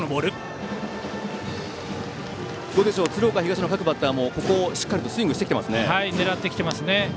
鶴岡東の各バッターもここ、しっかりと狙ってきてますね。